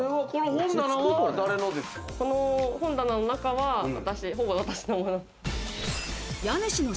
本棚の中はほぼ私のもの。